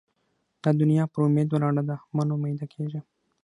دا دونیا پر اُمید ولاړه ده؛ مه نااميده کېږئ!